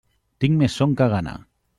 Tinc més son que gana.